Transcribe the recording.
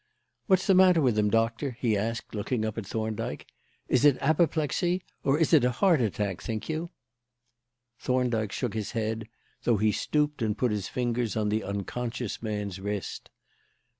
"What's the matter with him, Doctor?" he asked, looking up at Thorndyke. "Is it apoplexy? Or is it a heart attack, think you?" Thorndyke shook his head, though he stooped and put his fingers on the unconscious man's wrist.